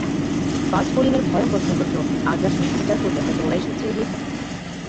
Fast বোলিংয়ের ভয়ংকর সৌন্দর্য্য, আগ্রাসন বিচার করলে হয়তো ওঁরাই সবচেয়ে এগিয়ে থাকবেন।